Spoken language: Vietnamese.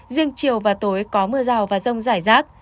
riêng chiều và tối có mưa rào và rông rải rác